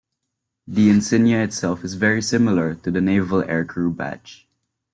The insignia itself is very similar to the Naval Aircrew Badge.